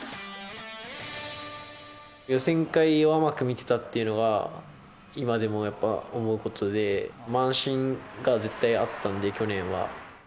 予選会を甘く見てたっていうのが、今でもやっぱり思うことで、慢心が絶対あったんで、去年は。